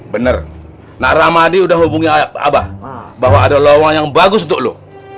bener nak ramadi udah hubungi abah bahwa ada lawang yang bagus untuk lu